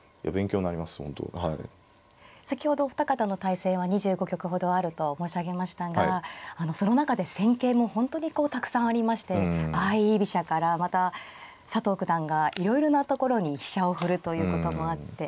先ほどお二方の対戦は２５局ほどあると申し上げましたがその中で戦型も本当にこうたくさんありまして相居飛車からまた佐藤九段がいろいろなところに飛車を振るということもあって。